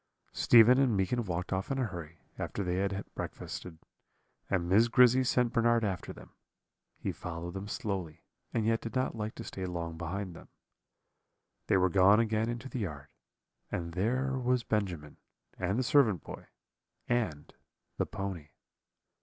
"Stephen and Meekin walked off in a hurry, after they had breakfasted, and Miss Grizzy sent Bernard after them. He followed them slowly, and yet did not like to stay long behind them. "They were gone again into the yard, and there was Benjamin, and the servant boy, and the pony.